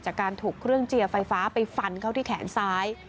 จากการถูกเครื่องเจียร์ไฟฟ้าไปฟันเข้าที่แขนซ้าย